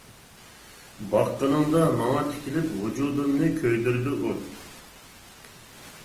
باققىنىڭدا ماڭا تىكىلىپ، ۋۇجۇدۇمنى كۆيدۈرىدۇ ئوت.